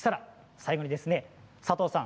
最後に佐藤さん